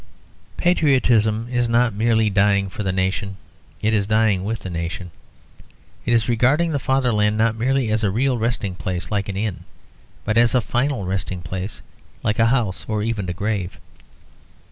Patriotism is not merely dying for the nation. It is dying with the nation. It is regarding the fatherland not merely as a real resting place like an inn, but as a final resting place, like a house or even a grave.